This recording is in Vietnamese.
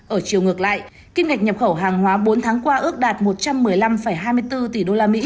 ở chiều ngược lại kim ngạch nhập khẩu hàng hóa bốn tháng qua ước đạt một trăm một mươi năm hai mươi bốn tỷ usd